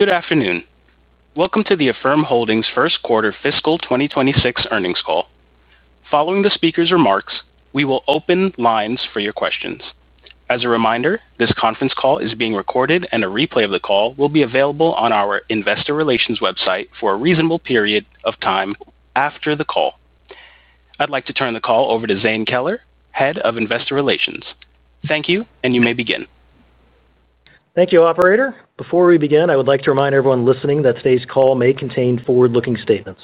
Good afternoon. Welcome to the Affirm Holdings' first quarter fiscal 2026 earnings call. Following the speaker's remarks, we will open lines for your questions. As a reminder, this conference call is being recorded, and a replay of the call will be available on our investor relations website for a reasonable period of time after the call. I'd like to turn the call over to Zane Keller, Head of Investor Relations. Thank you, and you may begin. Thank you, Operator. Before we begin, I would like to remind everyone listening that today's call may contain forward-looking statements.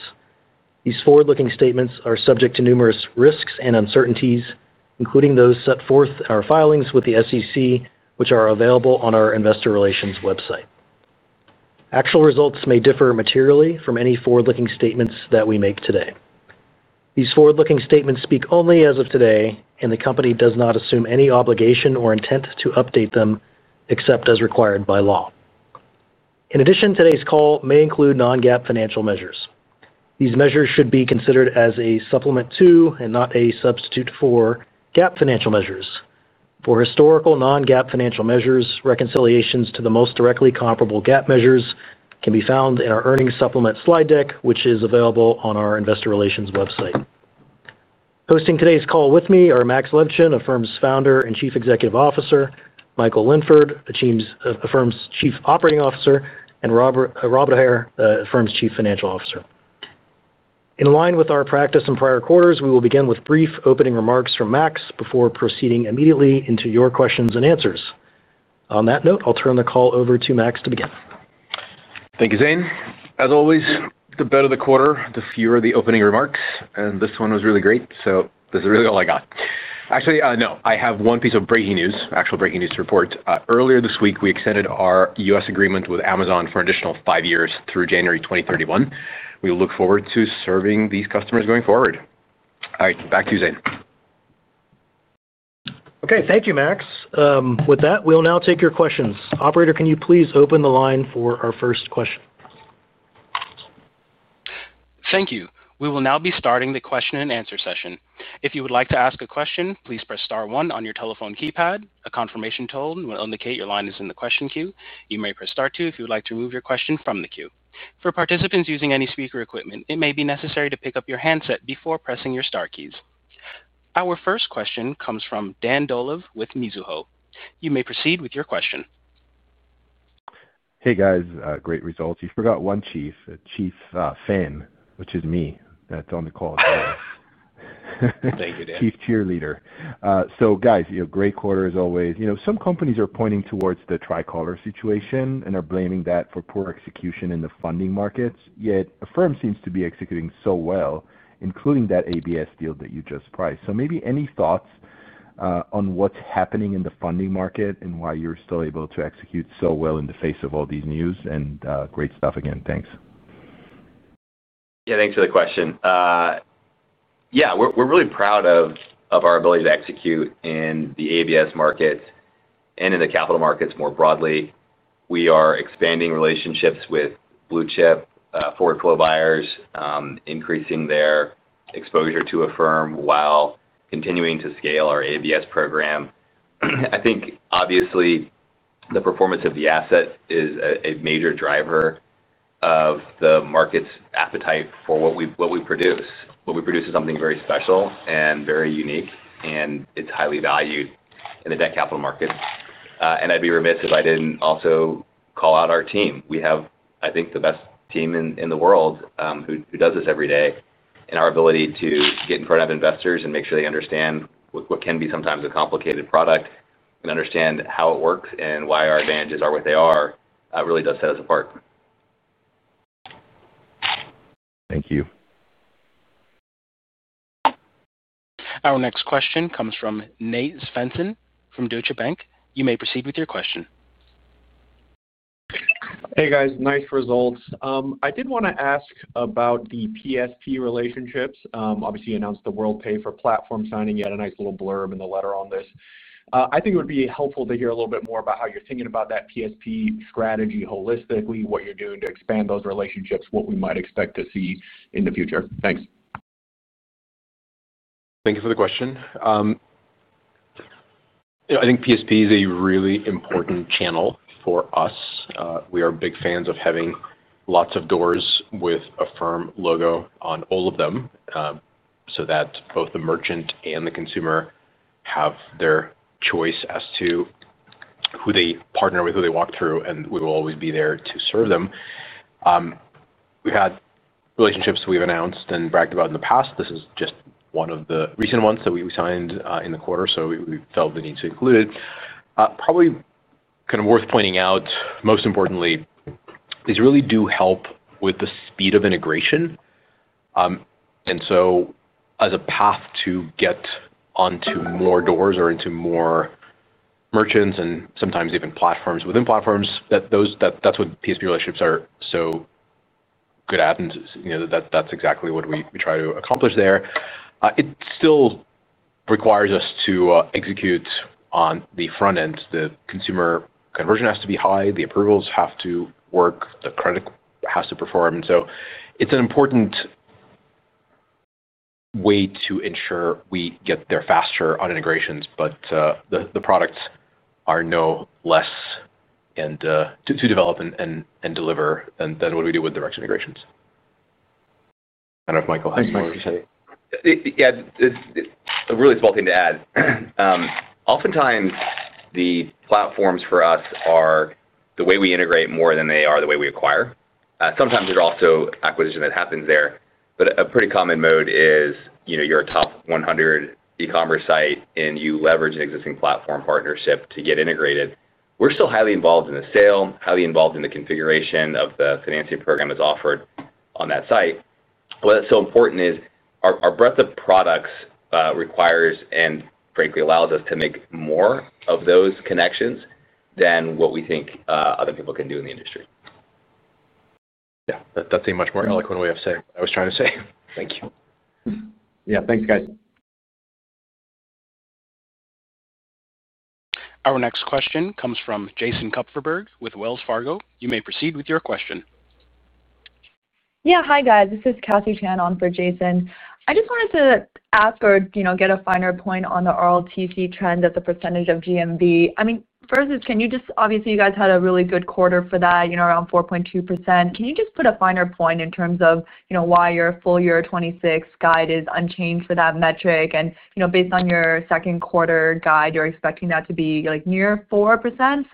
These forward-looking statements are subject to numerous risks and uncertainties, including those set forth in our filings with the SEC, which are available on our investor relations website. Actual results may differ materially from any forward-looking statements that we make today. These forward-looking statements speak only as of today, and the company does not assume any obligation or intent to update them except as required by law. In addition, today's call may include non-GAAP financial measures. These measures should be considered as a supplement to and not a substitute for GAAP financial measures. For historical non-GAAP financial measures, reconciliations to the most directly comparable GAAP measures can be found in our earnings supplement slide deck, which is available on our investor relations website. Hosting today's call with me are Max Levchin, Affirm's Founder and Chief Executive Officer, Michael Linford, Affirm's Chief Operating Officer, and Rob O'Hare, Affirm's Chief Financial Officer. In line with our practice in prior quarters, we will begin with brief opening remarks from Max before proceeding immediately into your questions and answers. On that note, I'll turn the call over to Max to begin. Thank you, Zane. As always, the better the quarter, the fewer the opening remarks. And this one was really great. So this is really all I got. Actually, no, I have one piece of breaking news, actual breaking news to report. Earlier this week, we extended our U.S. agreement with Amazon for an additional five years through January 2031. We look forward to serving these customers going forward. All right, back to you, Zane. Okay, thank you, Max. With that, we'll now take your questions. Operator, can you please open the line for our first question? Thank you. We will now be starting the question-and-answer session. If you would like to ask a question, please press Star 1 on your telephone keypad. A confirmation tone will indicate your line is in the question queue. You may press Star 2 if you would like to remove your question from the queue. For participants using any speaker equipment, it may be necessary to pick up your handset before pressing your Star keys. Our first question comes from Dan Dolev with Mizuho. You may proceed with your question. Hey, guys. Great results. You forgot one chief, Chief Fan, which is me. That is on the call today. Thank you, Dan. Chief Cheerleader. Guys, you know, great quarter as always. Some companies are pointing towards the tricolor situation and are blaming that for poor execution in the funding markets. Yet Affirm seems to be executing so well, including that ABS deal that you just priced. Maybe any thoughts on what's happening in the funding market and why you're still able to execute so well in the face of all these news and great stuff again. Thanks. Yeah, thanks for the question. We're really proud of our ability to execute in the ABS market and in the capital markets more broadly. We are expanding relationships with Blue Chip, forward CLO buyers, increasing their exposure to Affirm while continuing to scale our ABS program. I think, obviously, the performance of the asset is a major driver of the market's appetite for what we produce. What we produce is something very special and very unique, and it's highly valued in the debt capital market. I'd be remiss if I didn't also call out our team. We have, I think, the best team in the world who does this every day. Our ability to get in front of investors and make sure they understand what can be sometimes a complicated product and understand how it works and why our advantages are what they are, it really does set us apart. Thank you. Our next question comes from Nate Svensson from Deutsche Bank. You may proceed with your question. Hey, guys. Nice results. I did want to ask about the PSP relationships. Obviously, you announced the Worldpay for platform signing. You had a nice little blurb in the letter on this. I think it would be helpful to hear a little bit more about how you're thinking about that PSP strategy holistically, what you're doing to expand those relationships, what we might expect to see in the future. Thanks. Thank you for the question. I think PSP is a really important channel for us. We are big fans of having lots of doors with Affirm logo on all of them, so that both the merchant and the consumer have their choice as to who they partner with, who they walk through, and we will always be there to serve them. We've had relationships we've announced and bragged about in the past. This is just one of the recent ones that we signed in the quarter, so we felt the need to include it. Probably kind of worth pointing out, most importantly, these really do help with the speed of integration. As a path to get onto more doors or into more merchants and sometimes even platforms within platforms, that's what PSP relationships are so good at. That's exactly what we try to accomplish there. It still. Requires us to execute on the front end. The consumer conversion has to be high. The approvals have to work. The credit has to perform. It is an important way to ensure we get there faster on integrations, but the products are no less to develop and deliver than what we do with direct integrations. I do not know if Michael has more to say. Yeah. A really small thing to add. Oftentimes, the platforms for us are the way we integrate more than they are the way we acquire. Sometimes there's also acquisition that happens there. A pretty common mode is you're a top 100 e-commerce site, and you leverage an existing platform partnership to get integrated. We're still highly involved in the sale, highly involved in the configuration of the financing program that's offered on that site. What's so important is our breadth of products requires and frankly allows us to make more of those connections than what we think other people can do in the industry. Yeah, that seemed much more eloquent way of saying what I was trying to say. Thank you. Yeah, thanks, guys. Our next question comes from Jason Kupferberg with Wells Fargo. You may proceed with your question. Yeah, hi, guys. This is Kathy Chan on for Jason. I just wanted to ask or get a finer point on the RLTC trend of the percentage of GMV. I mean, first is, can you just obviously, you guys had a really good quarter for that, around 4.2%. Can you just put a finer point in terms of why your full year 2026 guide is unchanged for that metric? I mean, based on your second quarter guide, you're expecting that to be near 4%. Is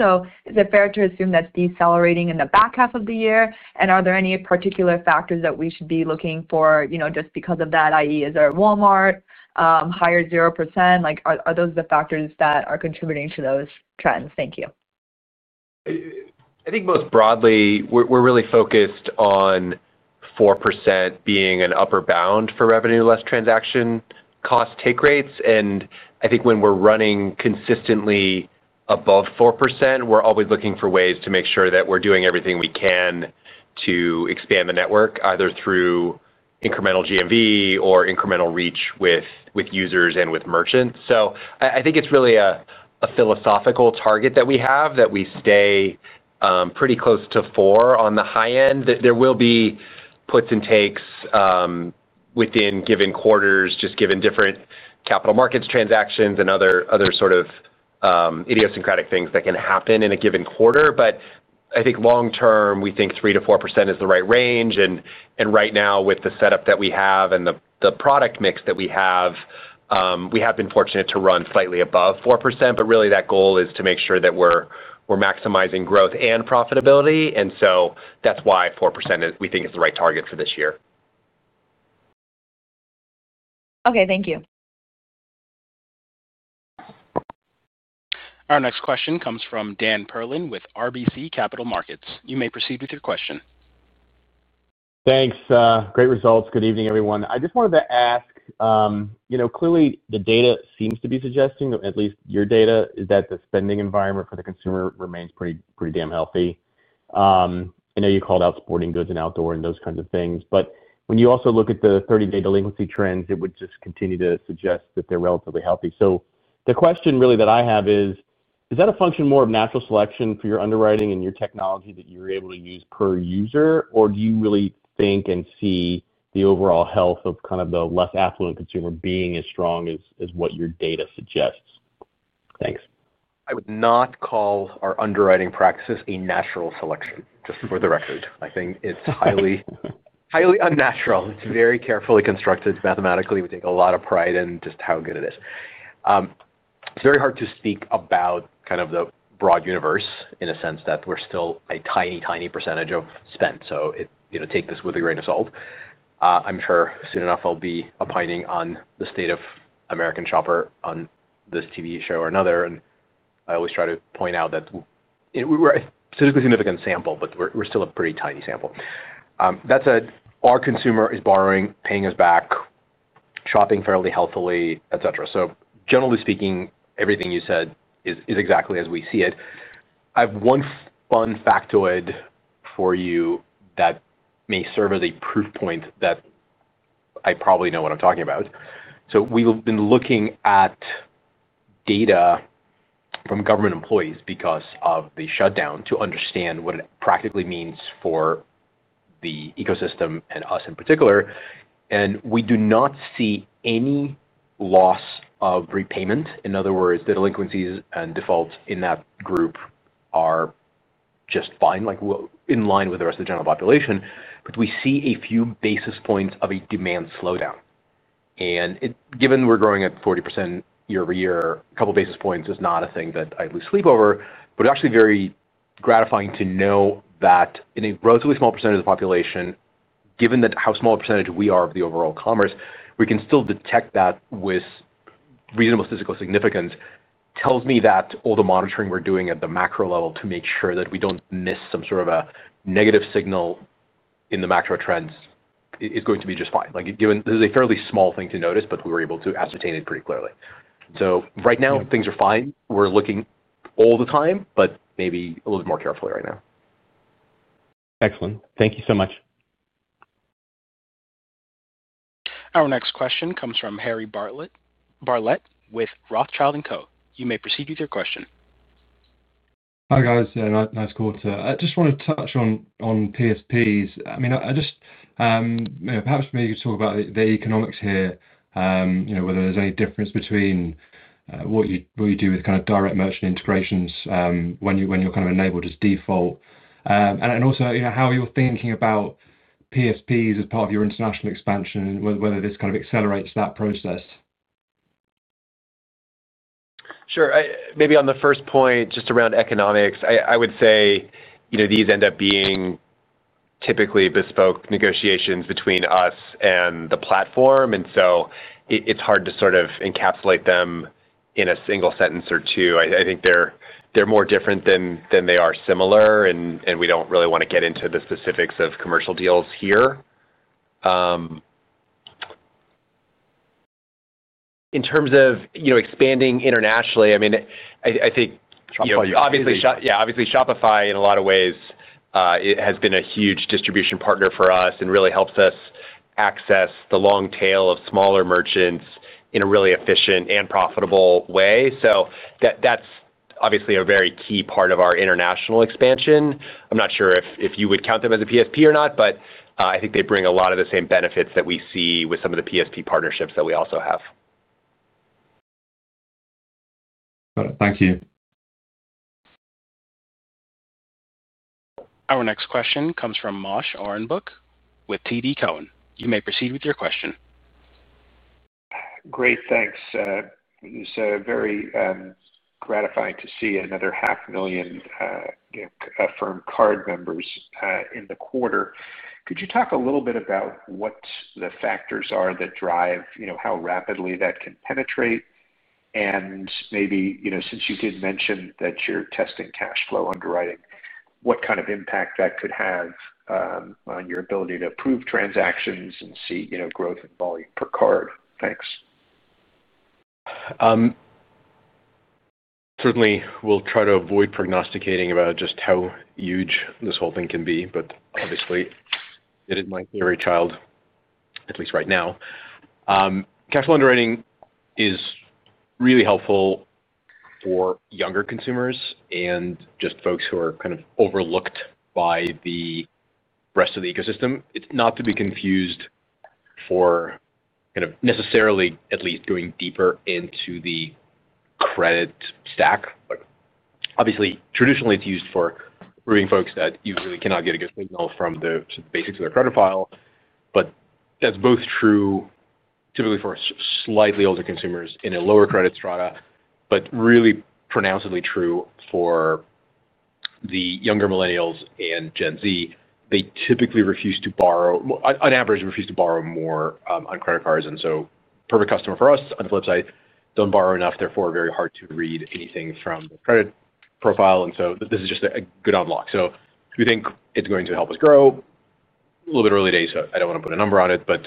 it fair to assume that's decelerating in the back half of the year? Are there any particular factors that we should be looking for just because of that, i.e., is there a Walmart higher 0%? Are those the factors that are contributing to those trends? Thank you. I think most broadly, we're really focused on 4% being an upper bound for revenue-less transaction cost take rates. I think when we're running consistently above 4%, we're always looking for ways to make sure that we're doing everything we can to expand the network, either through incremental GMV or incremental reach with users and with merchants. I think it's really a philosophical target that we have that we stay pretty close to 4% on the high end. There will be puts and takes within given quarters, just given different capital markets transactions and other sort of idiosyncratic things that can happen in a given quarter. I think long-term, we think 3%-4% is the right range. Right now, with the setup that we have and the product mix that we have, we have been fortunate to run slightly above 4%. Really, that goal is to make sure that we're maximizing growth and profitability. That's why 4% we think is the right target for this year. Okay, thank you. Our next question comes from Dan Perlin with RBC Capital Markets. You may proceed with your question. Thanks. Great results. Good evening, everyone. I just wanted to ask. Clearly, the data seems to be suggesting, at least your data, that the spending environment for the consumer remains pretty damn healthy. I know you called out sporting goods and outdoor and those kinds of things. When you also look at the 30-day delinquency trends, it would just continue to suggest that they're relatively healthy. The question really that I have is, is that a function more of natural selection for your underwriting and your technology that you're able to use per user, or do you really think and see the overall health of kind of the less affluent consumer being as strong as what your data suggests? Thanks. I would not call our underwriting practices a natural selection, just for the record. I think it is highly unnatural. It is very carefully constructed mathematically. We take a lot of pride in just how good it is. It is very hard to speak about kind of the broad universe in a sense that we are still a tiny, tiny percentage of spend. Take this with a grain of salt. I am sure soon enough I will be opining on the state of the American shopper on this TV show or another. I always try to point out that we are a statistically significant sample, but we are still a pretty tiny sample. That said, our consumer is borrowing, paying us back, shopping fairly healthily, et cetera. Generally speaking, everything you said is exactly as we see it. I have one fun factoid for you that may serve as a proof point. I probably know what I'm talking about. We have been looking at data from government employees because of the shutdown to understand what it practically means for the ecosystem and us in particular. We do not see any loss of repayment. In other words, the delinquencies and defaults in that group are just fine, in line with the rest of the general population. We see a few basis points of a demand slowdown. Given we are growing at 40% year-over-year, a couple of basis points is not a thing that I lose sleep over. It is actually very gratifying to know that in a relatively small percentage of the population, given how small a percentage we are of the overall commerce, we can still detect that with. Reasonable statistical significance, tells me that all the monitoring we're doing at the macro level to make sure that we don't miss some sort of a negative signal in the macro trends is going to be just fine. This is a fairly small thing to notice, but we were able to ascertain it pretty clearly. Right now, things are fine. We're looking all the time, but maybe a little bit more carefully right now. Excellent. Thank you so much. Our next question comes from Harry Bartlett with Rothschild & Co. You may proceed with your question. Hi, guys. Nice call too. I just want to touch on PSPs. I mean, perhaps maybe you could talk about the economics here, whether there's any difference between what you do with kind of direct merchant integrations when you're kind of enabled as default. Also, how you're thinking about PSPs as part of your international expansion, whether this kind of accelerates that process. Sure. Maybe on the first point, just around economics, I would say these end up being typically bespoke negotiations between us and the platform. It is hard to sort of encapsulate them in a single sentence or two. I think they are more different than they are similar, and we do not really want to get into the specifics of commercial deals here. In terms of expanding internationally, I mean, I think obviously Shopify in a lot of ways has been a huge distribution partner for us and really helps us access the long tail of smaller merchants in a really efficient and profitable way. That is obviously a very key part of our international expansion. I'm not sure if you would count them as a PSP or not, but I think they bring a lot of the same benefits that we see with some of the PSP partnerships that we also have. Got it. Thank you. Our next question comes from Moshe Orenbuch with TD Cowen. You may proceed with your question. Great. Thanks. It's very gratifying to see another half a million Affirm Card members in the quarter. Could you talk a little bit about what the factors are that drive how rapidly that can penetrate? And maybe since you did mention that you're testing cash flow underwriting, what kind of impact that could have on your ability to approve transactions and see growth in volume per card? Thanks. Certainly, we'll try to avoid prognosticating about just how huge this whole thing can be. Obviously, it is my theory child, at least right now. Cash flow underwriting is really helpful for younger consumers and just folks who are kind of overlooked by the rest of the ecosystem. It's not to be confused for kind of necessarily at least going deeper into the credit stack. Obviously, traditionally, it's used for reading folks that usually cannot get a good signal from the basics of their credit file. That's both true typically for slightly older consumers in a lower credit strata, but really pronouncedly true for the younger millennials and Gen Z. They typically refuse to borrow, on average, refuse to borrow more on credit cards, and so perfect customer for us. On the flip side, don't borrow enough, therefore, very hard to read anything from the credit profile. This is just a good unlock. We think it's going to help us grow. A little bit early days, so I don't want to put a number on it, but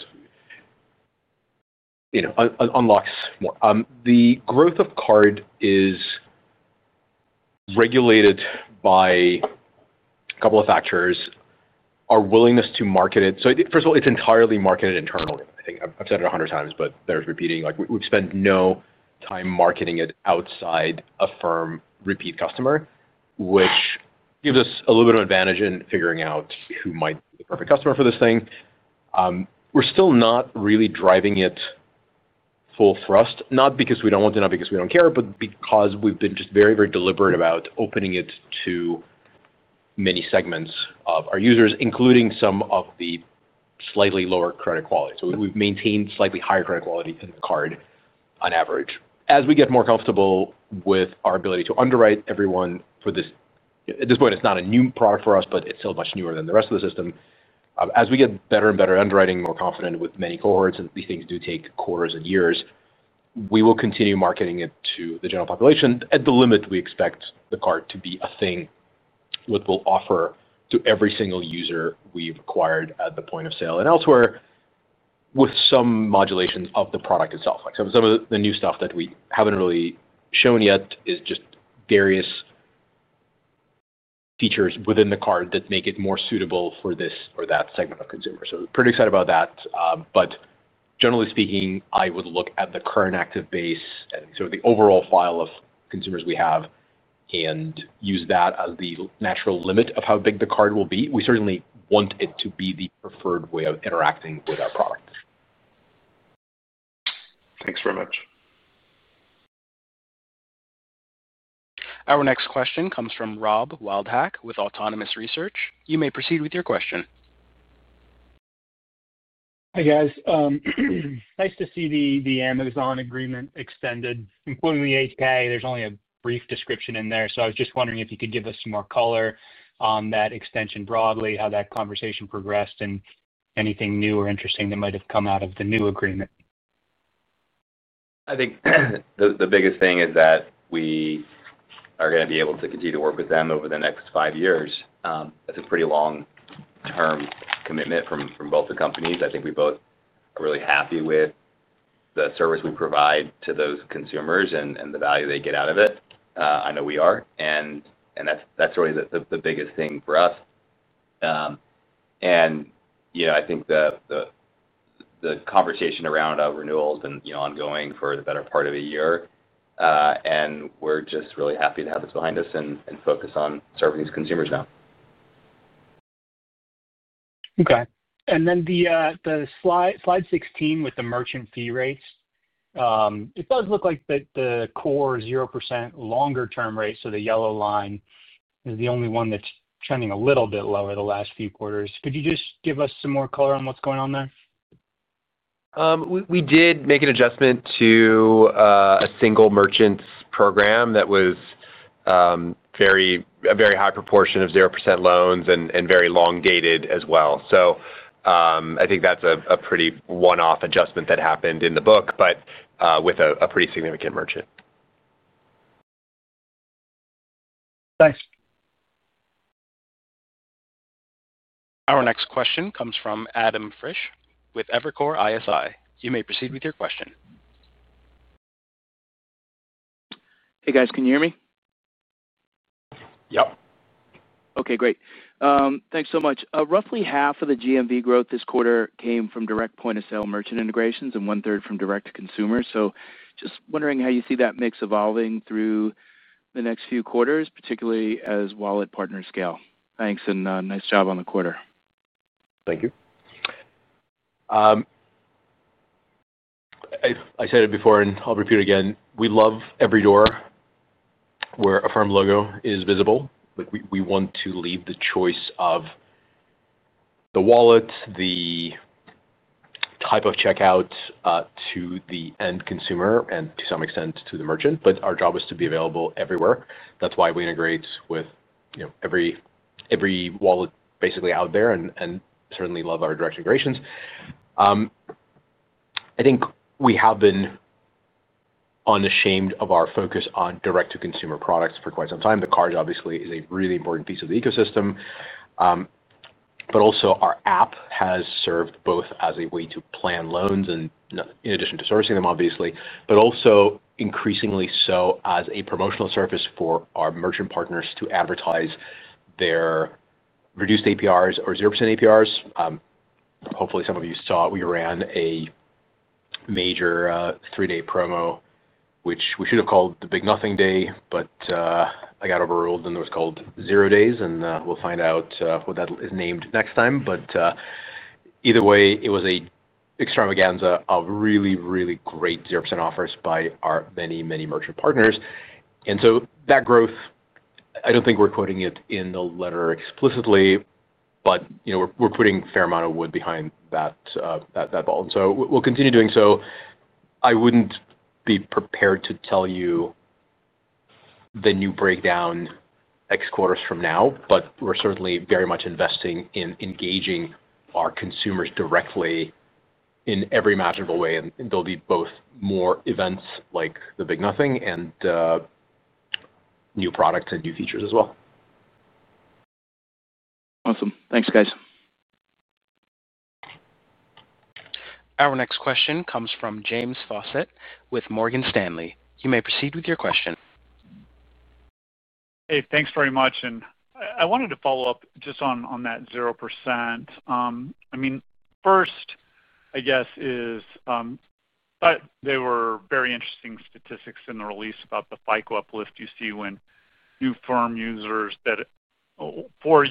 unlocks more. The growth of Card is regulated by a couple of factors, our willingness to market it. First of all, it's entirely marketed internally. I think I've said it a hundred times, but it bears repeating. We've spent no time marketing it outside Affirm repeat customers, which gives us a little bit of advantage in figuring out who might be the perfect customer for this thing. We're still not really driving it full thrust, not because we don't want to, not because we don't care, but because we've been just very, very deliberate about opening it to many segments of our users, including some of the slightly lower credit quality. We've maintained slightly higher credit quality in the Card on average. As we get more comfortable with our ability to underwrite everyone for this, at this point, it's not a new product for us, but it's still much newer than the rest of the system. As we get better and better underwriting, more confident with many cohorts, and these things do take quarters and years, we will continue marketing it to the general population. At the limit, we expect the Card to be a thing that we will offer to every single user we've acquired at the point of sale and elsewhere, with some modulations of the product itself. Some of the new stuff that we haven't really shown yet is just various features within the Card that make it more suitable for this or that segment of consumers. Pretty excited about that. Generally speaking, I would look at the current active base and sort of the overall file of consumers we have and use that as the natural limit of how big the Card will be. We certainly want it to be the preferred way of interacting with our product. Thanks very much. Our next question comes from Rob Wildhack with Autonomous Research. You may proceed with your question. Hi, guys. Nice to see the Amazon agreement extended, including the [8-K]. There's only a brief description in there. I was just wondering if you could give us some more color on that extension broadly, how that conversation progressed, and anything new or interesting that might have come out of the new agreement. I think the biggest thing is that we are going to be able to continue to work with them over the next five years. That's a pretty long-term commitment from both the companies. I think we both are really happy with the service we provide to those consumers and the value they get out of it. I know we are. That's really the biggest thing for us. I think the conversation around renewals and ongoing for the better part of a year. We're just really happy to have this behind us and focus on serving these consumers now. Okay. The slide 16 with the merchant fee rates, it does look like the core 0% longer-term rate, so the yellow line, is the only one that's trending a little bit lower the last few quarters. Could you just give us some more color on what's going on there? We did make an adjustment to a single merchant's program that was a very high proportion of 0% loans and very long-dated as well. I think that's a pretty one-off adjustment that happened in the book, but with a pretty significant merchant. Thanks. Our next question comes from Adam Frisch with Evercore ISI. You may proceed with your question. Hey, guys. Can you hear me? Yep. Okay, great. Thanks so much. Roughly half of the GMV growth this quarter came from direct point-of-sale merchant integrations and 1/3 from direct to consumers. Just wondering how you see that mix evolving through the next few quarters, particularly as wallet partner scale. Thanks and nice job on the quarter. Thank you. I said it before, and I'll repeat it again. We love every door where Affirm logo is visible. We want to leave the choice of the wallet, the type of checkout, to the end consumer, and to some extent to the merchant. Our job is to be available everywhere. That's why we integrate with every wallet basically out there and certainly love our direct integrations. I think we have been unashamed of our focus on direct-to-consumer products for quite some time. The Card, obviously, is a really important piece of the ecosystem. Also, our app has served both as a way to plan loans in addition to servicing them, obviously, but also increasingly so as a promotional service for our merchant partners to advertise their reduced APRs or 0% APRs. Hopefully, some of you saw we ran a major three-day promo, which we should have called the Big Nothing Day, but I got overruled and it was called 0% Days. We will find out what that is named next time. Either way, it was an extravaganza of really, really great 0% offers by our many, many merchant partners. That growth, I do not think we are quoting it in the letter explicitly, but we are putting a fair amount of wood behind that ball. We will continue doing so. I would not be prepared to tell you the new breakdown X quarters from now, but we are certainly very much investing in engaging our consumers directly in every imaginable way. There will be both more events like the Big Nothing and new products and new features as well. Awesome. Thanks, guys. Our next question comes from James Faucette with Morgan Stanley. You may proceed with your question. Hey, thanks very much. I wanted to follow up just on that 0%. I mean, first, I guess, is that there were very interesting statistics in the release about the FICO uplift you see when new Affirm users that, for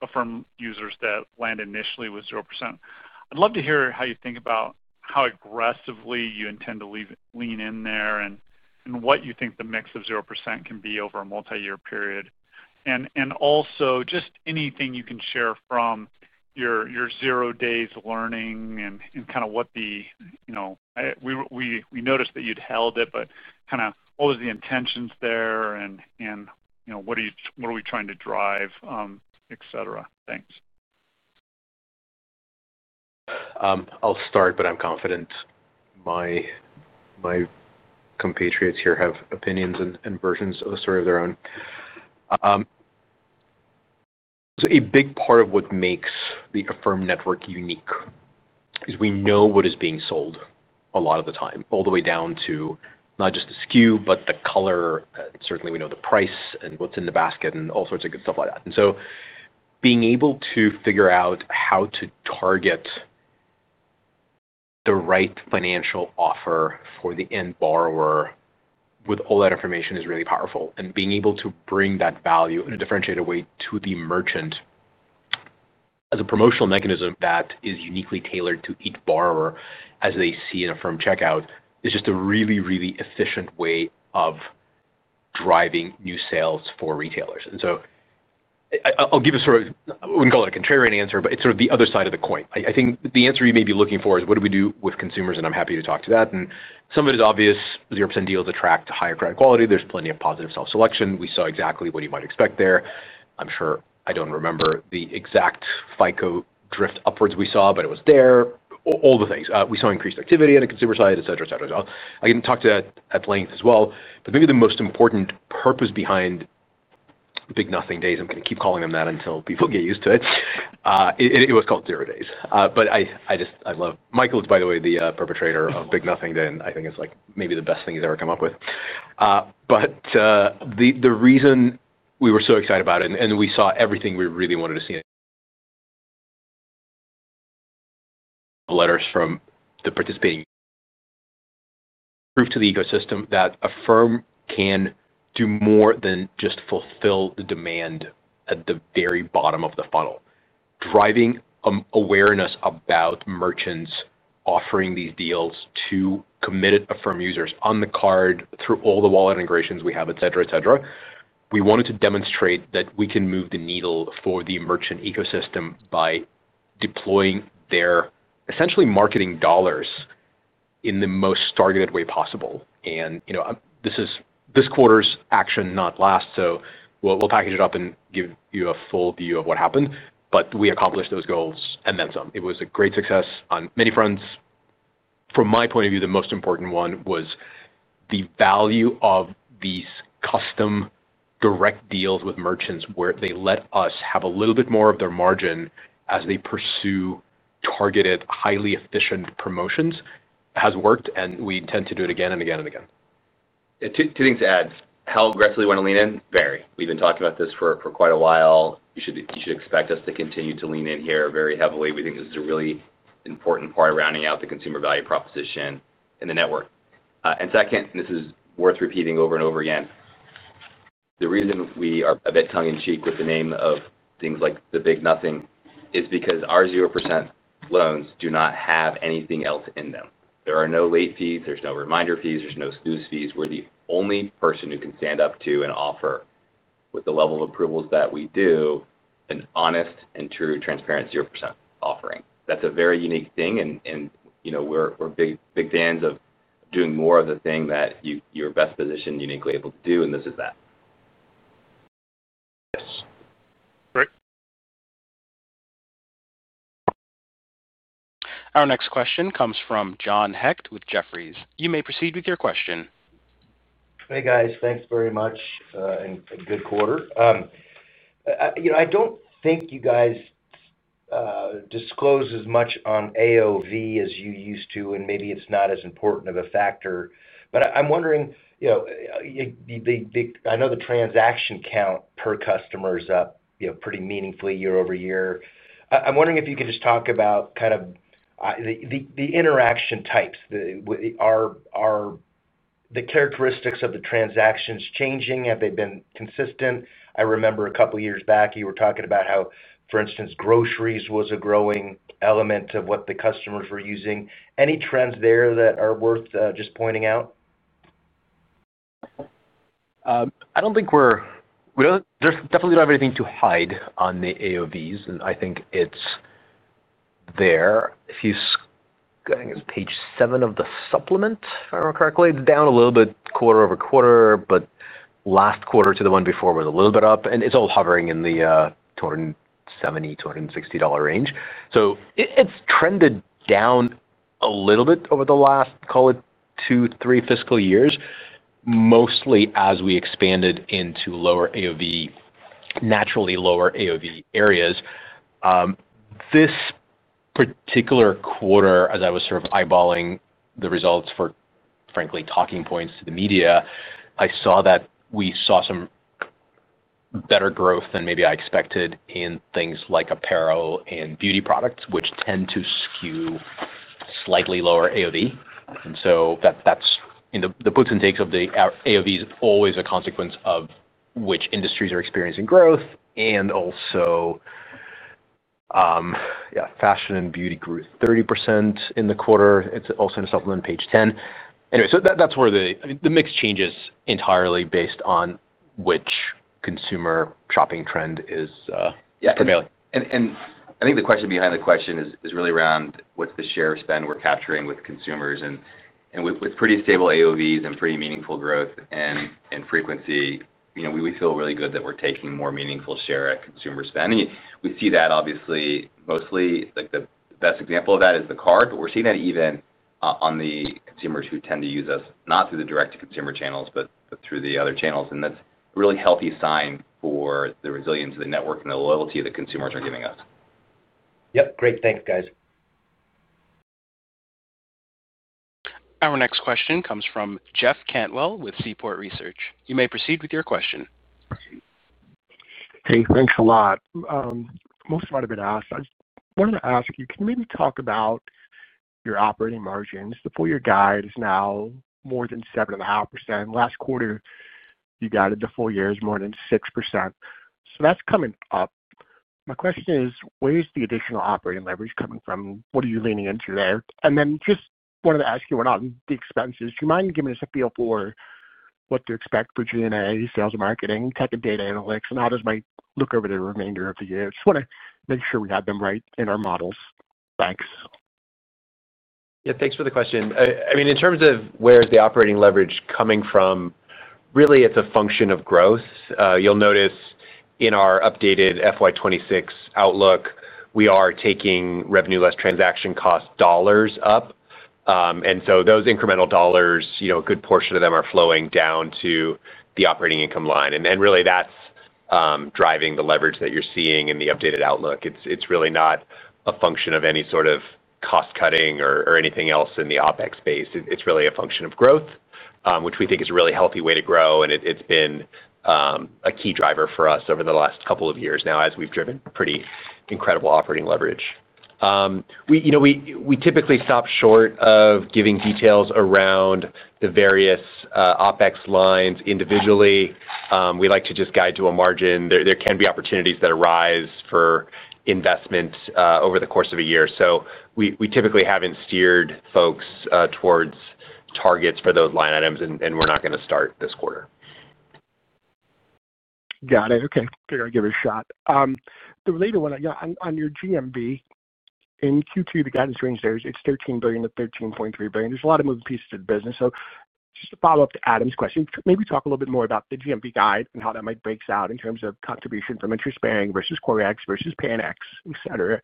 Affirm users that land initially with 0%. I'd love to hear how you think about how aggressively you intend to lean in there and what you think the mix of 0% can be over a multi-year period. Also, just anything you can share from your 0% Days learning and kind of what the, we noticed that you'd held it, but kind of what was the intentions there and what are we trying to drive, etc. Thanks. I'll start, but I'm confident my compatriots here have opinions and versions of the story of their own. A big part of what makes the Affirm Network unique is we know what is being sold a lot of the time, all the way down to not just the SKU, but the color. Certainly, we know the price and what's in the basket and all sorts of good stuff like that. Being able to figure out how to target the right financial offer for the end borrower with all that information is really powerful. Being able to bring that value in a differentiated way to the merchant as a promotional mechanism that is uniquely tailored to each borrower as they see an Affirm checkout is just a really, really efficient way of driving new sales for retailers. I'll give a sort of, I wouldn't call it a contrarian answer, but it's sort of the other side of the coin. I think the answer you may be looking for is, what do we do with consumers? I'm happy to talk to that. Some of it is obvious. 0% deals attract to higher credit quality. There's plenty of positive self-selection. We saw exactly what you might expect there. I'm sure I don't remember the exact FICO drift upwards we saw, but it was there. All the things. We saw increased activity on the consumer side, etc., etc. I can talk to that at length as well. Maybe the most important purpose behind. Big Nothing Days, I'm going to keep calling them that until people get used to it. It was called 0% Days. Michael, by the way, is the perpetrator of Big Nothing. I think it's like maybe the best thing he's ever come up with. The reason we were so excited about it, and we saw everything we really wanted to see letters from the participating proof to the ecosystem that Affirm can do more than just fulfill the demand at the very bottom of the funnel. Driving awareness about merchants offering these deals to committed Affirm users on the Card through all the wallet integrations we have, etc., etc. We wanted to demonstrate that we can move the needle for the merchant ecosystem by deploying their essentially marketing dollars in the most targeted way possible. This quarter's action not last. We will package it up and give you a full view of what happened. We accomplished those goals and then some. It was a great success on many fronts. From my point of view, the most important one was the value of these custom direct deals with merchants where they let us have a little bit more of their margin as they pursue targeted, highly efficient promotions has worked, and we intend to do it again and again and again. Two things to add. How aggressively you want to lean in, vary. We've been talking about this for quite a while. You should expect us to continue to lean in here very heavily. We think this is a really important part of rounding out the consumer value proposition in the network. Second, this is worth repeating over and over again. The reason we are a bit tongue-in-cheek with the name of things like the Big Nothing is because our 0% loans do not have anything else in them. There are no late fees. There are no reminder fees. There are no snooze fees. We're the only person who can stand up to and offer with the level of approvals that we do. An honest and true transparent 0% offering. That's a very unique thing. We're big fans of doing more of the thing that you're best positioned, uniquely able to do, and this is that. Great. Our next question comes from John Hecht with Jefferies. You may proceed with your question. Hey, guys. Thanks very much and good quarter. I do not think you guys disclose as much on AOV as you used to, and maybe it is not as important of a factor. I am wondering. I know the transaction count per customer is up pretty meaningfully year-over-year. I am wondering if you could just talk about kind of the interaction types. Are the characteristics of the transactions changing? Have they been consistent? I remember a couple of years back, you were talking about how, for instance, groceries was a growing element of what the customers were using. Any trends there that are worth just pointing out? I do not think we are, there's definitely nothing to hide on the AOVs. I think it is there. If you—I think it is page seven of the supplement, if I remember correctly. It is down a little bit quarter-over-quarter, but last quarter to the one before was a little bit up. It is all hovering in the $270, $260 range. It has trended down a little bit over the last, call it, two-three fiscal years, mostly as we expanded into naturally lower AOV areas. This particular quarter, as I was sort of eyeballing the results for, frankly, talking points to the media, I saw that we saw some better growth than maybe I expected in things like apparel and beauty products, which tend to skew slightly lower AOV. That is the boots and takes of the AOV. It is always a consequence of which industries are experiencing growth. Yeah, fashion and beauty grew 30% in the quarter. It's also in the supplement page 10. Anyway, that's where the mix changes entirely based on which consumer shopping trend is prevailing. I think the question behind the question is really around what's the share of spend we're capturing with consumers. With pretty stable AOVs and pretty meaningful growth and frequency, we feel really good that we're taking more meaningful share at consumer spend. We see that, obviously, mostly. The best example of that is the Card, but we're seeing that even on the consumers who tend to use us, not through the direct-to-consumer channels, but through the other channels. That's a really healthy sign for the resilience of the network and the loyalty that consumers are giving us. Yep. Great. Thanks, guys. Our next question comes from Jeff Cantwell with Seaport Research. You may proceed with your question. Hey, thanks a lot. Most of what I've been asked, I wanted to ask you, can you maybe talk about your operating margins? The four-year guide is now more than 7.5%. Last quarter, you guided the four years more than 6%. That is coming up. My question is, where is the additional operating leverage coming from? What are you leaning into there? I just wanted to ask you around the expenses. Do you mind giving us a feel for what to expect for G&A, sales and marketing, tech and data analytics, and how does that look over the remainder of the year? Just want to make sure we have them right in our models. Thanks. Yeah. Thanks for the question. I mean, in terms of where is the operating leverage coming from. Really, it's a function of growth. You'll notice in our updated FY 2026 outlook, we are taking revenue-less transaction cost dollars up. And so those incremental dollars, a good portion of them are flowing down to the operating income line. Really, that's driving the leverage that you're seeing in the updated outlook. It's really not a function of any sort of cost-cutting or anything else in the OpEx space. It's really a function of growth, which we think is a really healthy way to grow. It's been a key driver for us over the last couple of years now as we've driven pretty incredible operating leverage. We typically stop short of giving details around the various OpEx lines individually. We like to just guide to a margin. There can be opportunities that arise for investment over the course of a year. So we typically haven't steered folks towards targets for those line items, and we're not going to start this quarter. Got it. Okay. Figured I'd give it a shot. The related one, on your GMV. In Q2, the guidance range there, it's $13 billion-$13.3 billion. There's a lot of moving pieces to the business. Just to follow up to Adam's question, maybe talk a little bit more about the GMV guide and how that might break out in terms of contribution from interest bearing versus [Corex versus Pan-X, etc.],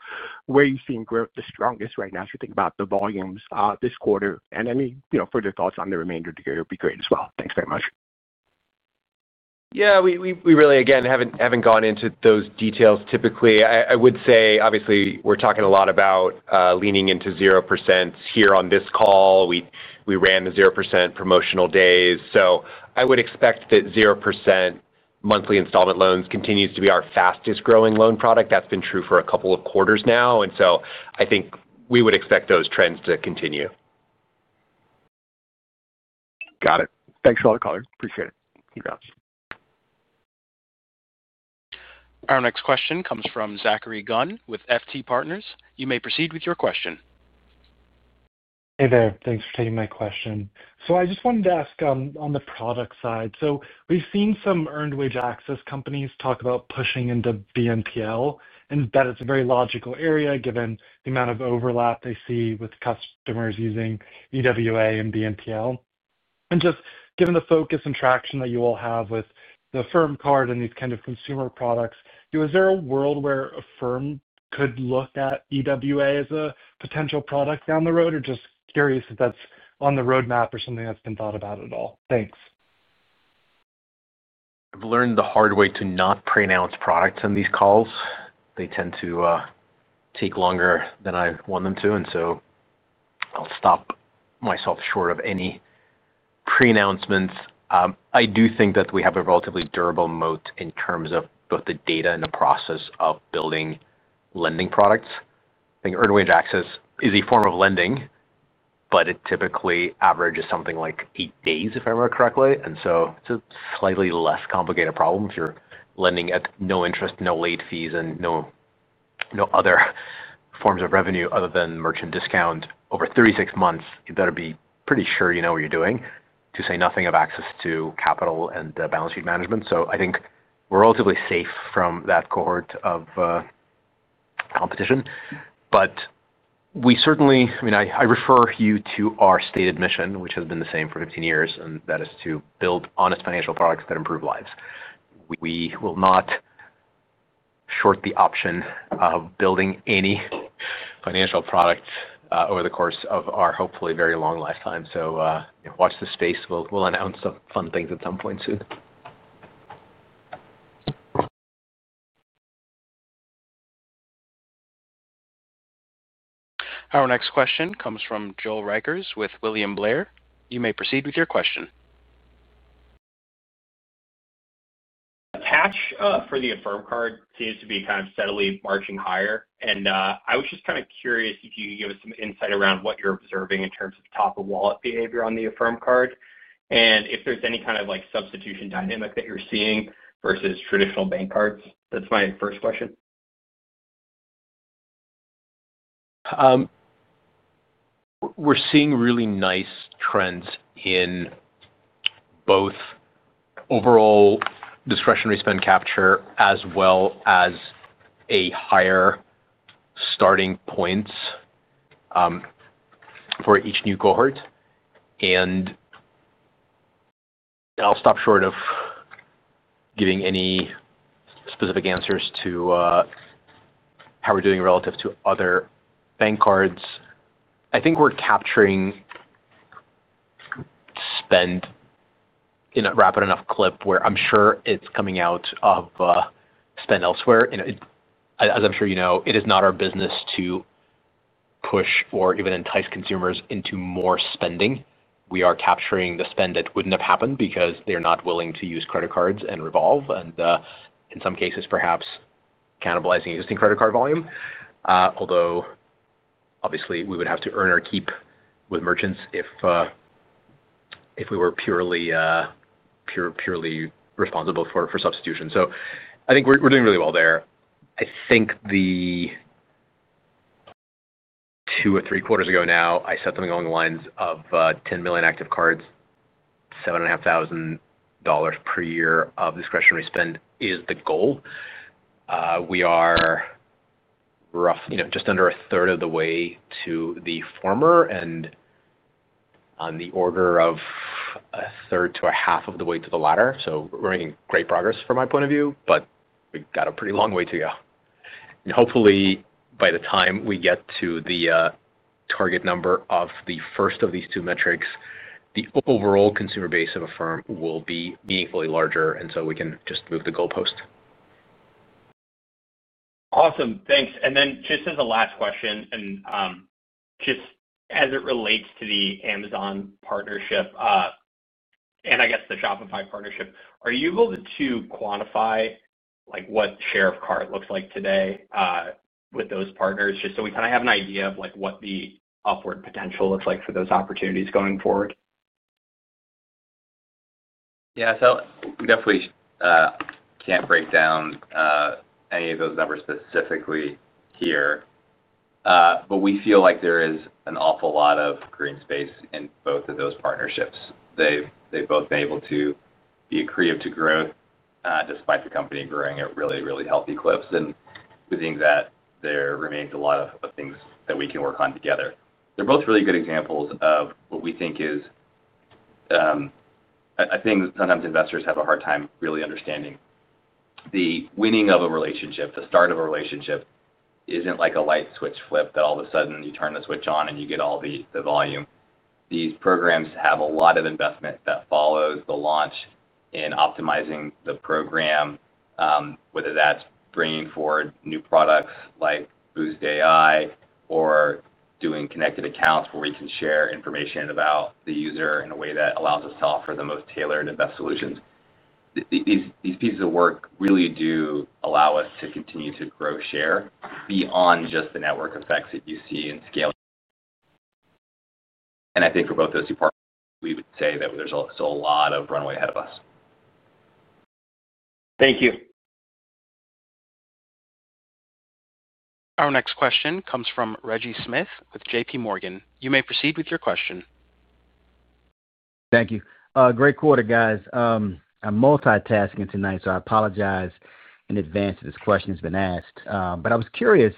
where you've seen growth the strongest right now as you think about the volumes this quarter. Any further thoughts on the remainder of the year would be great as well. Thanks very much. Yeah. We really, again, haven't gone into those details typically. I would say, obviously, we're talking a lot about leaning into 0% here on this call. We ran the 0% promotional days. I would expect that 0% monthly installment loans continues to be our fastest-growing loan product. That's been true for a couple of quarters now. I think we would expect those trends to continue. Got it. Thanks for all the color. Appreciate it. Keep it up. Our next question comes from Zachary Gunn with FT Partners. You may proceed with your question. Hey there. Thanks for taking my question. I just wanted to ask on the product side. We've seen some earned wage access companies talk about pushing into BNPL. That is a very logical area given the amount of overlap they see with customers using EWA and BNPL. Just given the focus and traction that you all have with the Affirm Card and these kind of consumer products, is there a world where Affirm could look at EWA as a potential product down the road? Just curious if that's on the roadmap or something that's been thought about at all. Thanks. I've learned the hard way to not pre-announce products in these calls. They tend to take longer than I want them to. I'll stop myself short of any pre-announcements. I do think that we have a relatively durable moat in terms of both the data and the process of building lending products. I think earned wage access is a form of lending, but it typically averages something like eight days, if I remember correctly. It is a slightly less complicated problem if you're lending at no interest, no late fees, and no other forms of revenue other than merchant discount over 36 months, that'll be pretty sure you know what you're doing, to say nothing of access to capital and balance sheet management. I think we're relatively safe from that cohort of competition. We certainly, I mean, I refer you to our stated mission, which has been the same for 15 years, and that is to build honest financial products that improve lives. We will not short the option of building any financial product over the course of our hopefully very long lifetime. Watch the space. We'll announce some fun things at some point soon. Our next question comes from [Joel Rykers] with William Blair. You may proceed with your question. The patch for the Affirm Card seems to be kind of steadily marching higher. I was just kind of curious if you could give us some insight around what you're observing in terms of top-of-wallet behavior on the Affirm Card. If there's any kind of substitution dynamic that you're seeing versus traditional bank cards. That's my first question. We're seeing really nice trends in both overall discretionary spend capture as well as a higher starting point for each new cohort. I'll stop short of giving any specific answers to how we're doing relative to other bank cards. I think we're capturing spend in a rapid enough clip where I'm sure it's coming out of spend elsewhere. As I'm sure you know, it is not our business to push or even entice consumers into more spending. We are capturing the spend that wouldn't have happened because they're not willing to use credit cards and revolve, and in some cases, perhaps cannibalizing existing credit card volume. Although obviously, we would have to earn or keep with merchants if we were purely responsible for substitution. I think we're doing really well there. I think two or three quarters ago now, I said something along the lines of 10 million active cards, $7,500 per year of discretionary spend is the goal. We are just under 1/3 of the way to the former and on the order of 1/3-1/2 of the way to the latter. We are making great progress from my point of view, but we have got a pretty long way to go. Hopefully, by the time we get to the target number of the first of these two metrics, the overall consumer base of Affirm will be meaningfully larger, and we can just move the goalpost. Awesome. Thanks. And then just as a last question, just as it relates to the Amazon partnership, and I guess the Shopify partnership, are you able to quantify what the share of Card looks like today with those partners, just so we kind of have an idea of what the upward potential looks like for those opportunities going forward? Yeah. We definitely can't break down any of those numbers specifically here. We feel like there is an awful lot of green space in both of those partnerships. They've both been able to be accredited to growth despite the company growing at really, really healthy clips. We think that there remains a lot of things that we can work on together. They're both really good examples of what we think is. I think sometimes investors have a hard time really understanding. The winning of a relationship, the start of a relationship isn't like a light switch flip that all of a sudden you turn the switch on and you get all the volume. These programs have a lot of investment that follows the launch in optimizing the program. Whether that's bringing forward new products like BoostAI or doing connected accounts where we can share information about the user in a way that allows us to offer the most tailored and best solutions. These pieces of work really do allow us to continue to grow share beyond just the network effects that you see in scale. I think for both those two [partners], we would say that there's still a lot of runway ahead of us. Thank you. Our next question comes from Reggie Smith with JPMorgan. You may proceed with your question. Thank you. Great quarter, guys. I'm multitasking tonight, so I apologize in advance if this question has been asked. I was curious,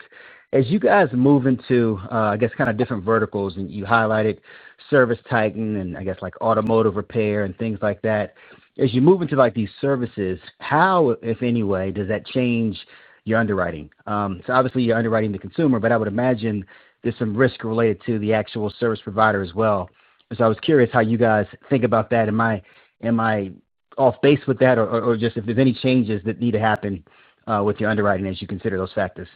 as you guys move into, I guess, kind of different verticals, and you highlighted ServiceTitan and, I guess, automotive repair and things like that, as you move into these services, how, if any, does that change your underwriting? Obviously, you're underwriting the consumer, but I would imagine there's some risk related to the actual service provider as well. I was curious how you guys think about that. Am I off base with that, or just if there's any changes that need to happen with your underwriting as you consider those factors?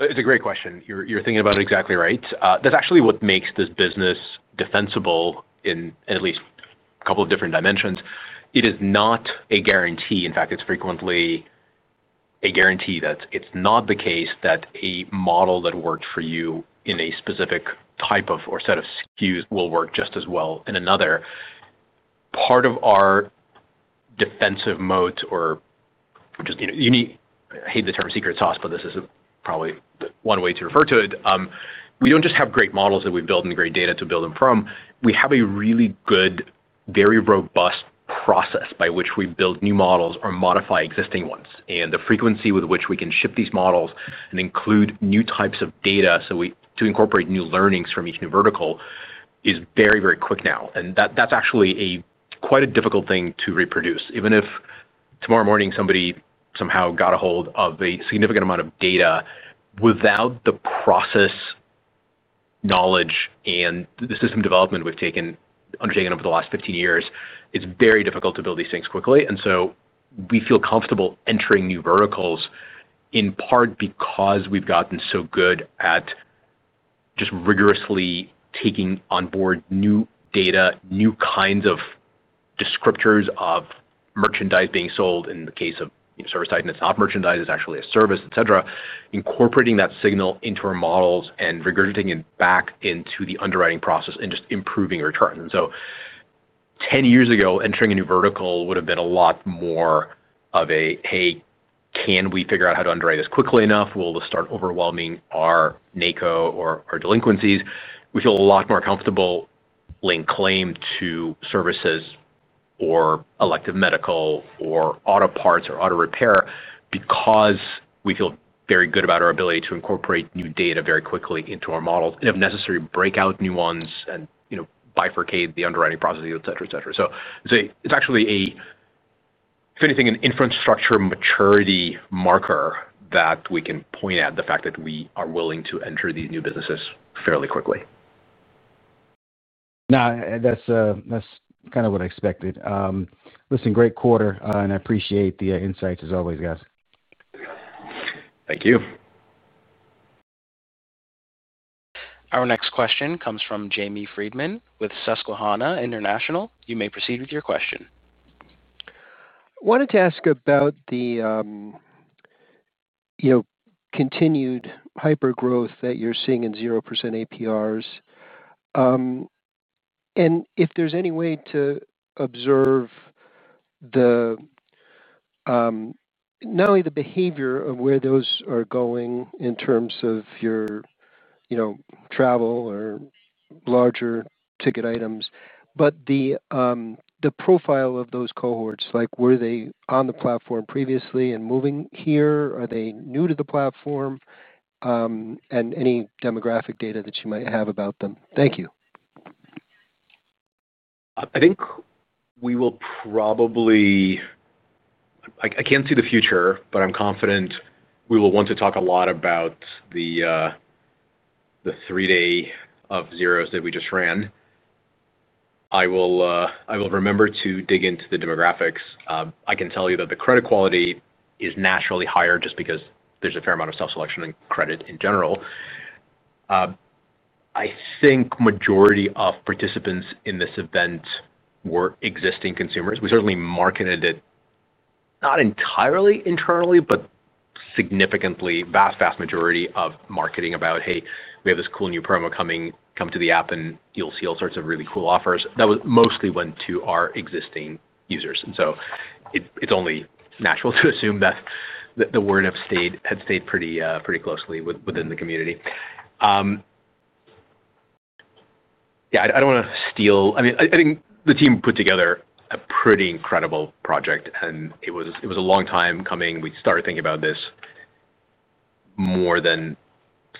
It's a great question. You're thinking about it exactly right. That's actually what makes this business defensible in at least a couple of different dimensions. It is not a guarantee. In fact, it's frequently a guarantee that it's not the case that a model that worked for you in a specific type of or set of SKUs will work just as well in another. Part of our defensive moat or just unique, I hate the term secret sauce, but this is probably one way to refer to it. We don't just have great models that we build and great data to build them from. We have a really good, very robust process by which we build new models or modify existing ones. The frequency with which we can ship these models and include new types of data to incorporate new learnings from each new vertical is very, very quick now. That is actually quite a difficult thing to reproduce. Even if tomorrow morning somebody somehow got a hold of a significant amount of data without the process, knowledge, and the system development we have undertaken over the last 15 years, it is very difficult to build these things quickly. We feel comfortable entering new verticals in part because we have gotten so good at just rigorously taking on board new data, new kinds of descriptors of merchandise being sold. In the case of ServiceTitan, that is not merchandise, it is actually a service, etc., incorporating that signal into our models and regurgitating it back into the underwriting process and just improving our charts. Ten years ago, entering a new vertical would have been a lot more of a, "Hey, can we figure out how to underwrite this quickly enough? Will this start overwhelming our NACO or our delinquencies?" We feel a lot more comfortable laying claim to services or elective medical or auto parts or auto repair because we feel very good about our ability to incorporate new data very quickly into our models and, if necessary, break out new ones and bifurcate the underwriting process, etc., etc. I would say it is actually, if anything, an infrastructure maturity marker that we can point at the fact that we are willing to enter these new businesses fairly quickly. No, that is kind of what I expected. Listen, great quarter, and I appreciate the insights as always, guys. Thank you. Our next question comes from Jamie Friedman with Susquehanna International. You may proceed with your question. I wanted to ask about the continued hypergrowth that you're seeing in 0% APRs. And if there's any way to observe not only the behavior of where those are going in terms of your travel or larger ticket items, but the profile of those cohorts, like were they on the platform previously and moving here? Are they new to the platform? And any demographic data that you might have about them? Thank you. I think we will probably. I can't see the future, but I'm confident we will want to talk a lot about the three-day of zeros that we just ran. I will remember to dig into the demographics. I can tell you that the credit quality is naturally higher just because there's a fair amount of self-selection and credit in general. I think the majority of participants in this event were existing consumers. We certainly marketed it, not entirely internally, but significantly, vast, vast majority of marketing about, "Hey, we have this cool new promo coming. Come to the app, and you'll see all sorts of really cool offers." That mostly went to our existing users. It is only natural to assume that the word had stayed pretty closely within the community. Yeah, I do not want to steal—I mean, I think the team put together a pretty incredible project, and it was a long time coming. We started thinking about this. More than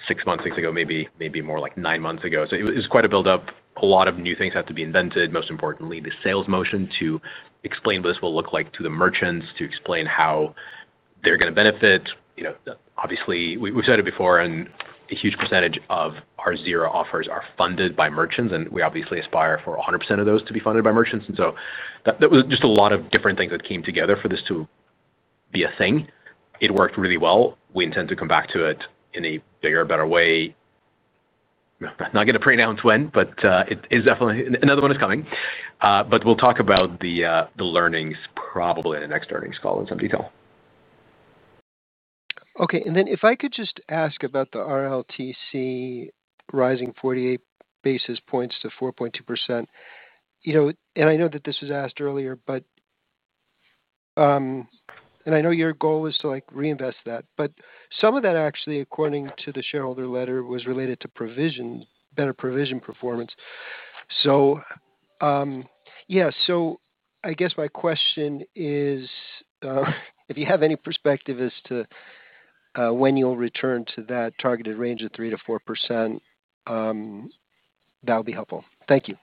six months, six ago, maybe more like nine months ago. It was quite a build-up. A lot of new things had to be invented. Most importantly, the sales motion to explain what this will look like to the merchants, to explain how. They are going to benefit. Obviously, we have said it before, and a huge percentage of our zero offers are funded by merchants, and we obviously aspire for 100% of those to be funded by merchants. That was just a lot of different things that came together for this to be a thing. It worked really well. We intend to come back to it in a bigger or better way. Not going to pronounce when, but another one is coming. We'll talk about the learnings probably in the next earnings call in some detail. Okay. If I could just ask about the RLTC rising 48 basis points to 4.2%. I know that this was asked earlier. I know your goal is to reinvest that. Some of that, actually, according to the shareholder letter, was related to better provision performance. Yeah. I guess my question is, if you have any perspective as to when you'll return to that targeted range of 3%-4%. That would be helpful. Thank you.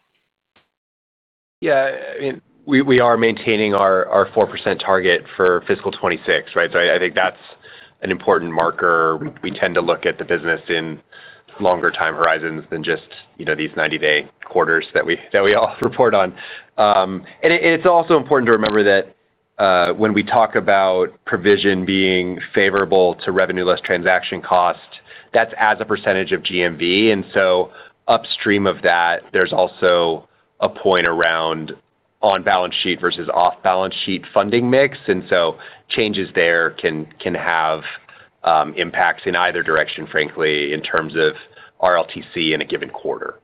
Yeah. I mean, we are maintaining our 4% target for fiscal 2026, right? I think that's an important marker. We tend to look at the business in longer time horizons than just these 90-day quarters that we all report on. It's also important to remember that when we talk about provision being favorable to revenue-less transaction cost, that's as a percentage of GMV. Upstream of that, there's also a point around on-balance sheet versus off-balance sheet funding mix. Changes there can have impacts in either direction, frankly, in terms of RLTC in a given quarter.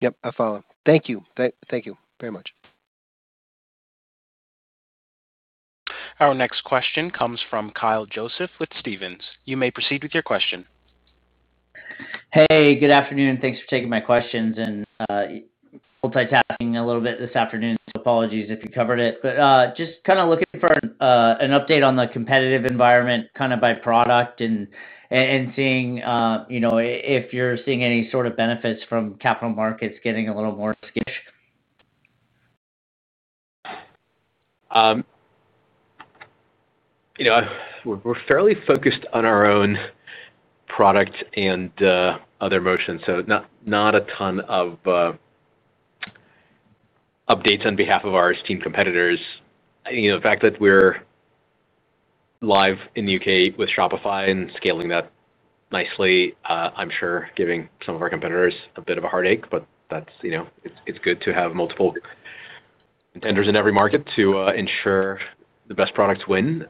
Yep. I follow. Thank you. Thank you very much. Our next question comes from Kyle Joseph with Stephens. You may proceed with your question. Hey, good afternoon. Thanks for taking my questions and multitasking a little bit this afternoon. Apologies if you covered it. Just kind of looking for an update on the competitive environment, kind of by product, and seeing if you're seeing any sort of benefits from capital markets getting a little more skittish. We're fairly focused on our own product and other motions. Not a ton of updates on behalf of our esteemed competitors. The fact that we're live in the U.K. with Shopify and scaling that nicely, I'm sure is giving some of our competitors a bit of a heartache. It is good to have multiple intenders in every market to ensure the best products win.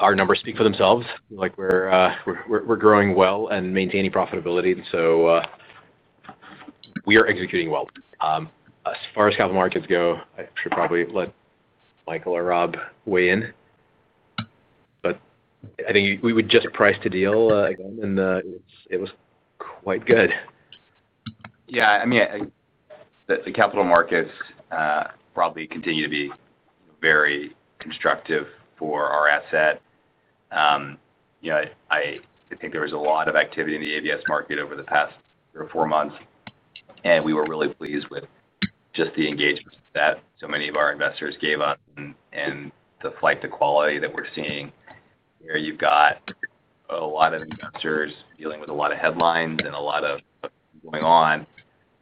Our numbers speak for themselves. We're growing well and maintaining profitability. We are executing well. As far as capital markets go, I should probably let Michael or Rob weigh in. I think we would just price to deal again, and it was quite good. Yeah. I mean. The capital markets probably continue to be very constructive for our asset. I think there was a lot of activity in the ABS market over the past three or four months, and we were really pleased with just the engagement that so many of our investors gave us and the flight to quality that we're seeing. You've got a lot of investors dealing with a lot of headlines and a lot of going on.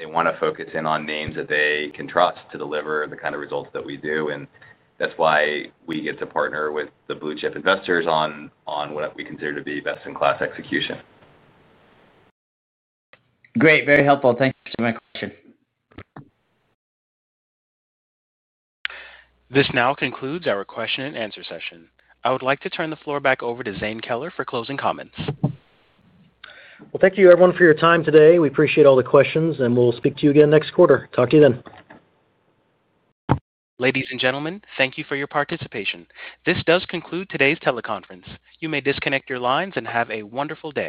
They want to focus in on names that they can trust to deliver the kind of results that we do. That is why we get to partner with the Blue Chip investors on what we consider to be best-in-class execution. Great. Very helpful. Thanks for my question. This now concludes our question-and-answer session. I would like to turn the floor back over to Zane Keller for closing comments. Thank you, everyone, for your time today. We appreciate all the questions, and we'll speak to you again next quarter. Talk to you then. Ladies and gentlemen, thank you for your participation. This does conclude today's teleconference. You may disconnect your lines and have a wonderful day.